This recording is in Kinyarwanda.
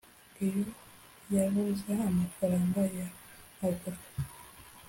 iyo yabuze amafaranga ya Avoka